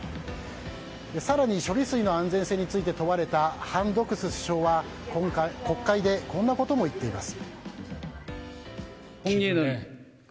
更に、処理水の安全性について問われたハン・ドクス首相は国会でこんなことも言っています。